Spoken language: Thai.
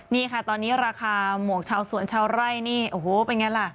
เนี่ยค่ะตอนนี้ราคาหมวกชาวสวนชาวไร่เป็นไงล่ะ